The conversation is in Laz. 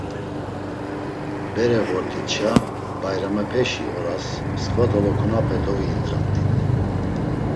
Bere vort̆itşa bayramepeşi oras msǩva dolokunupe doviyindramt̆it.